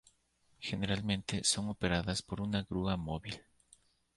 Generalmente son operadas por una grúa móvil.